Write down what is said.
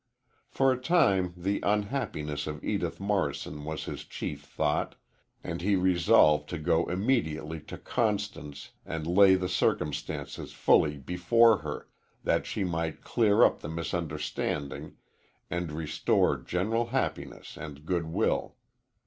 For a time the unhappiness of Edith Morrison was his chief thought, and he resolved to go immediately to Constance and lay the circumstances fully before her, that she might clear up the misunderstanding and restore general happiness and good will.